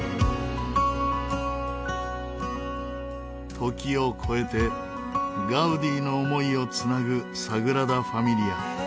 時を超えてガウディの思いをつなぐサグラダ・ファミリア。